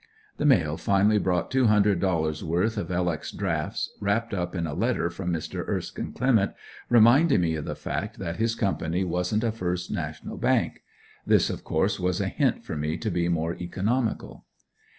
The mail finally brought two hundred dollars worth of "L. X." drafts, wrapped up in a letter from Mr. Erskine Clement, reminding me of the fact that his company wasn't a First National Bank. This of course was a hint for me to be more economical.